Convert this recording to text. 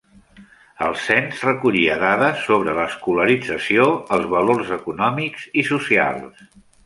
El cens recollia dades sobre l'escolarització, els valors econòmics i socials.